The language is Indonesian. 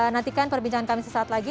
nantikan perbincangan kami sesaat lagi